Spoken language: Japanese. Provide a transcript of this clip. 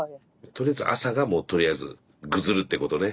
とりあえず朝がもうとりあえずぐずるってことね。